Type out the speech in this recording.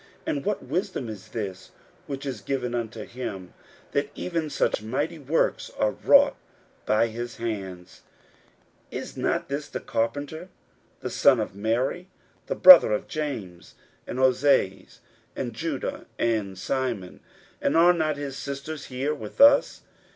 and what wisdom is this which is given unto him, that even such mighty works are wrought by his hands? 41:006:003 Is not this the carpenter, the son of Mary, the brother of James, and Joses, and of Juda, and Simon? and are not his sisters here with us?